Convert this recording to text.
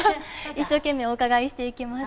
一生懸命お伺いしていきます。